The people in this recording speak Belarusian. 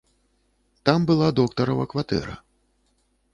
Там была доктарава кватэра.